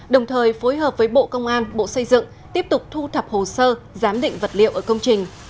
đồng thời phối hợp với bộ công an bộ xây dựng tiếp tục thu thập hồ sơ giám định vật liệu ở công trình